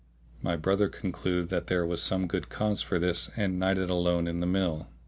My brother concluded that there was some good cause for this and nighted alone in the mill.